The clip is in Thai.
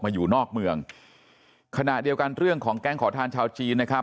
อยู่นอกเมืองขณะเดียวกันเรื่องของแก๊งขอทานชาวจีนนะครับ